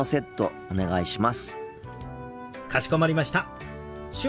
お願いします。